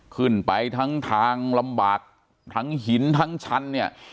ขึ้นไปทั้งทางลำบากทั้งหินทั้งชั้นเนี่ย